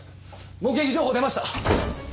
目撃情報出ました！